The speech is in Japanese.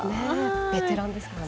ベテランですからね。